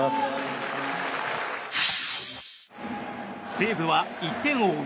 西武は１点を追う